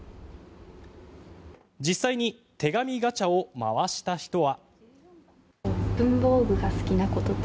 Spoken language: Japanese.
実際に手紙ガチャを回した人は。